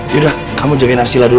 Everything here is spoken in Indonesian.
yaudah kamu jagain arsila dulu